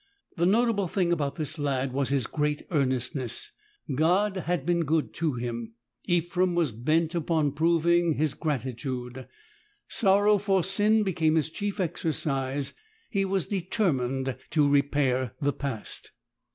The notable thing about this lad was his great earnestness. God had been good to him : Ephrem was bent upon proving his gratitude. Sorrow for sin became his chief exercise. He was determined to repair the past.